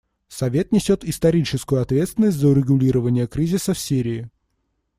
Совет несет историческую ответственность за урегулирование кризиса в Сирии.